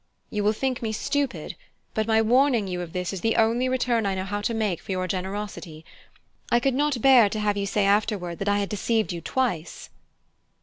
"You will think me stupid, but my warning you of this is the only return I know how to make for your generosity. I could not bear to have you say afterward that I had deceived you twice."